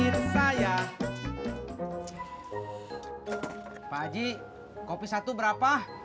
pak aji kopi satu berapa